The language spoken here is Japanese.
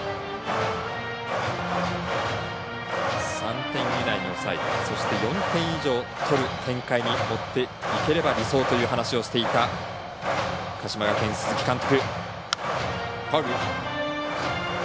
３点以内に抑えてそして４点以上取る展開に持っていければ理想という話をしていた鹿島学園の鈴木監督。